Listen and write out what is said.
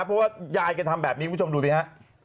เพราะว่ายายแกทำแบบนี้คุณผู้ชมดูสิฮะ